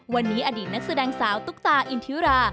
วันนี้อดีตนักแสดงสาวตุ๊กตาอินทิรา